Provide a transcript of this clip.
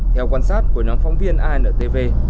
theo quan sát của nhóm phóng viên antv